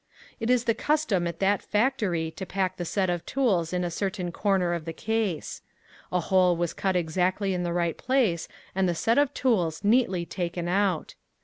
It is the custom at that factory to pack the set of tools in a certain corner of the case. A hole was cut exactly in the right place and the set of tools neatly taken out.